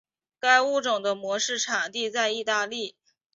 该物种的模式产地在意大利。